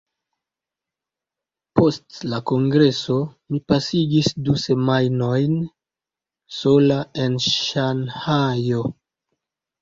Post la Kongreso, mi pasigis du semajnojn sola en Ŝanhajo.